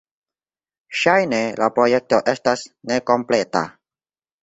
Ŝajne la projekto estas nekompleta.